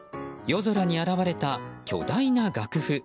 夜空に現れた巨大な楽譜。